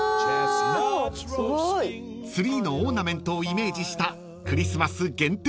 ［ツリーのオーナメントをイメージしたクリスマス限定